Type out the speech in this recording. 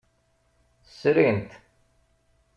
Srin-t.